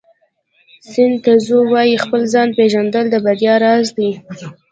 سن ټزو وایي خپل ځان پېژندل د بریا راز دی.